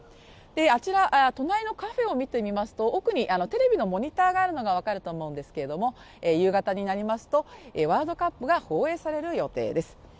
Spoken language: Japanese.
あちら、隣のカフェを見てみますと奥にテレビのモニターがあるのが分かると思うんですけれども夕方になりますとワールドカップが放映される予定です。